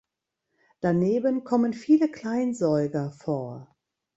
Daneben kommen viele Kleinsäuger vor.